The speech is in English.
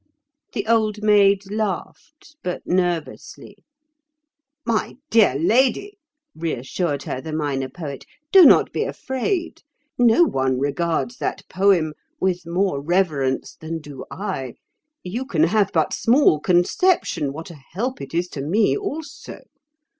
The Old Maid laughed, but nervously. "My dear lady," reassured her the Minor Poet, "do not be afraid. No one regards that poem with more reverence than do I. You can have but small conception what a help it is to me also.